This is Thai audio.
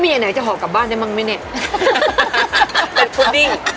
แล้วมีไหนจะหอมกลับบ้านได้บ้างง่ะเนี่ย